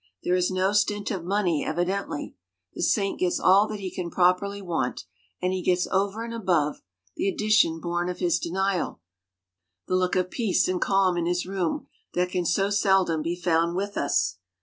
There is no stint of money evidently; the Saint gets all that he can properly want, and he gets over and above the addition born of his denial the look of peace and calm in his room, that can so seldom be found with us.